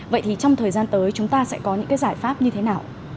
vậy thì trong thời gian tới chúng ta sẽ có những cái giải pháp như thế nào